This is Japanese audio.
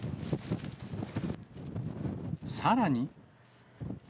さらに。